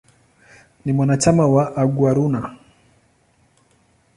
Ni mwanachama wa "Aguaruna".